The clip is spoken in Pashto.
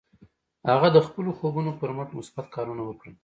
هغه د خپلو خوبونو پر مټ مثبت کارونه وکړل